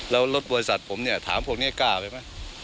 แล้วรถบริษัทผมเนี่ยถามพวกนี้กล้าไปไหม